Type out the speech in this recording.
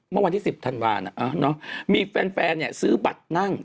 เมื่อวันที่๑๐ธันวาลนะเอ๊ะเนอะมีแฟนนี่ซื้อบัตรนั่ง